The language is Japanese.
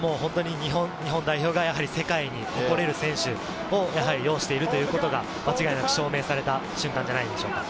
日本代表が世界に誇れる選手を擁しているということが証明された瞬間ではないでしょうか。